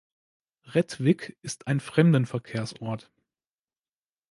Rättvik ist ein Fremdenverkehrsort.